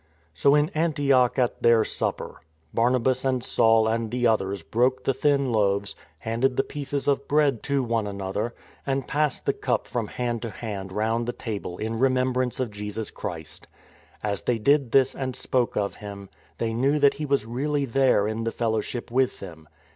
So in Antioch at their Supper, Barnabas and Saul and the others broke the thin loaves, handed the pieces of bread to one another, and passed the cup from hand to hand round the table in remembrance of Jesus 108 THE CALL ABROAD 109 Christ. As they did this and spoke of Him, they knew that He was really there in the fellowship with them.